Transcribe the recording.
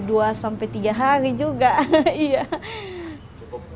makanya kita bisa memasak sampai dua sampai tiga hari makanya kita bisa memasak sampai dua sampai tiga hari